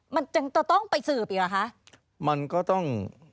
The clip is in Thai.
มันจึงจะต้องไปสืบอีกเหรอคะมันก็ต้อง